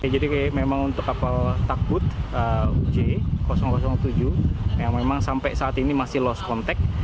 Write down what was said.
memang untuk kapal takbut uj tujuh yang memang sampai saat ini masih lost contact